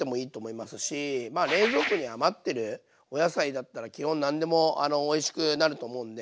まあ冷蔵庫に余ってるお野菜だったら基本何でもおいしくなると思うんで。